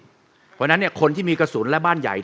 เพราะฉะนั้นคนที่มีกระสุนและบ้านใหญ่